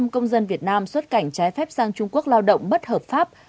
công dân việt nam xuất cảnh trái phép sang trung quốc lao động bất hợp pháp